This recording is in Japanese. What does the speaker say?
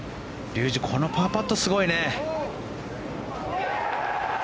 竜二、このパーパットすごいね。